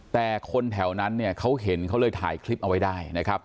แต่คนแถวนั้นเนี่ยเขาเห็นเขาเลยถ่ายคลิปเอาไว้ได้นะครับ